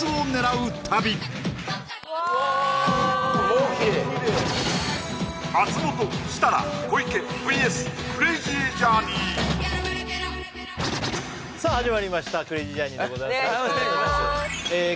うわ松本設楽小池ＶＳクレイジージャーニーさあ始まりましたクレイジージャーニーでございますお願いしまーすえ